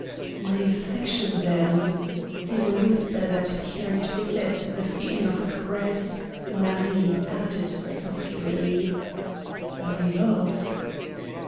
"My affection, then?" In a whisper that carried with it the feeling of a caress Marie added softly: "My love?"